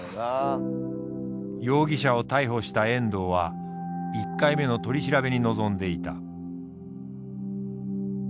容疑者を逮捕した遠藤は１回目の取り調べに臨んでいた。